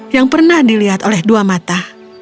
yang pernah dilihat oleh dua mata